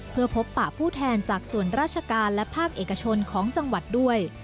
เพื่อพบปะผู้แทนจากส่วนราชการและภาคเอกชนของจังหวัดด้วย